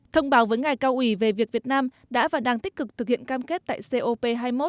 thông báo với ngài cao ủy về việc việt nam đã và đang tích cực thực hiện cam kết tại cop hai mươi một